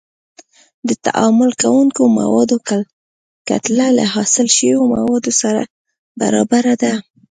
د تعامل کوونکو موادو کتله له حاصل شویو موادو سره برابره ده.